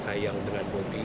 ayam dengan bobi